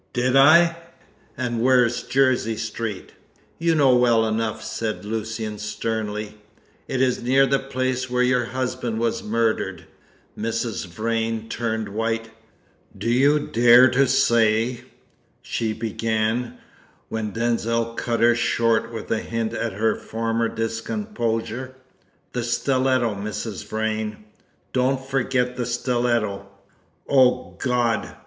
"Did I? And where's Jersey Street?" "You know well enough," said Lucian sternly. "It is near the place where your husband was murdered." Mrs. Vrain turned white. "Do you dare to say " she began, when Denzil cut her short with a hint at her former discomposure. "The stiletto, Mrs. Vrain! Don't forget the stiletto!" "Oh, God!"